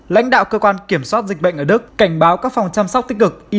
lãnh đạo cơ quan kiểm soát dịch bệnh ở đức cảnh báo các phòng chăm sóc tích cực icu